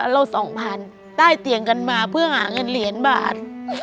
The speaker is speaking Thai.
เราสองพันได้เตียงกันมาเพื่อหาเงินเหรียญบาท